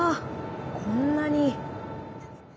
こんなに。